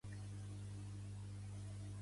Pertany al moviment independentista el Daniel?